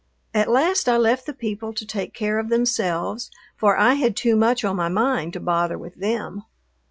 At last I left the people to take care of themselves, for I had too much on my mind to bother with them.